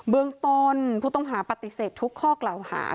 เบื้องตอนพวกต่ำหาผัตถิเศษทุกข้อกล่าวหา